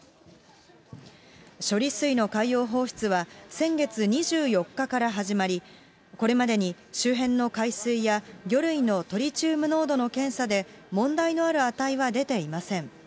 処理水の海洋放出は、先月２４日から始まり、これまでに周辺の海水や魚類のトリチウム濃度の検査で問題のある値は出ていません。